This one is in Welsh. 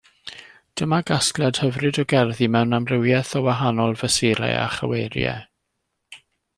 Dyma gasgliad hyfryd o gerddi mewn amrywiaeth o wahanol fesurau a chyweiriau.